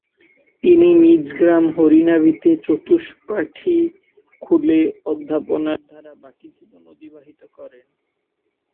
তিনি নিজগ্রাম হরিনাভিতে চতুষ্পাঠী খুলে অধ্যাপনার দ্বারা বাকি জীবন অতিবাহিত করেন।